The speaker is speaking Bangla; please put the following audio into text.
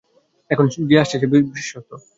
এখন যে আসছে সে বিশ্বস্ত।